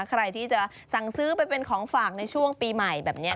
ใครที่จะสั่งซื้อไปเป็นของฝากในช่วงปีใหม่แบบนี้